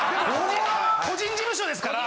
個人事務所ですから。